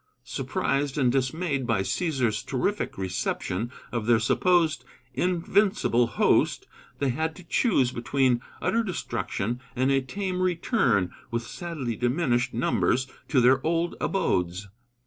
Surprised and dismayed by Cæsar's terrific reception of their supposed invincible host, they had to choose between utter destruction and a tame return, with sadly diminished numbers, to their old abodes.